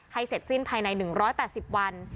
เสร็จสิ้นภายใน๑๘๐วัน